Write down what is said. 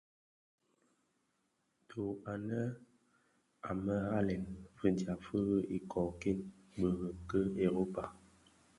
Dho anë a më ghalèn, fidyab fi ikōō, kiň biriň ki Europa.